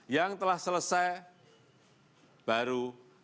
yang telah selesai baru